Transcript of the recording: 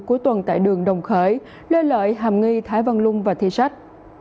cuối tuần tại đường đồng khởi lê lợi hàm nghi thái văn lung và thi sách